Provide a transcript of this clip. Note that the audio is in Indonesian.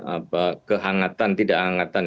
apa kehangatan tidak hangatan